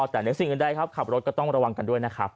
แต่เหนือสิ่งอื่นใดครับขับรถก็ต้องระวังกันด้วยนะครับ